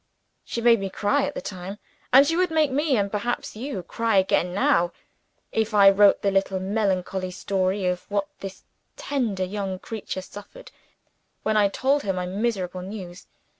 She made me cry at the time; and she would make me (and perhaps you) cry again now, if I wrote the little melancholy story of what this tender young creature suffered when I told her my miserable news.